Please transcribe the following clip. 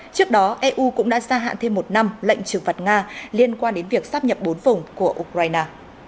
trước đó eu cũng đã gia hạn thêm một năm lệnh trừng phạt nga liên quan đến việc sắp nhập bốn vùng của ukraine